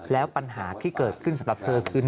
แล้วปัญหาที่เกิดขึ้นสำหรับเธอคือ